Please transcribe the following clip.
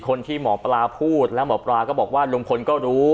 หมอปลาพูดแล้วหมอปลาก็บอกว่าลุงพลก็รู้